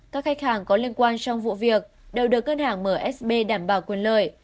các khách hàng có liên quan trong vụ việc đều được ngân hàng msb đảm bảo quyền lợi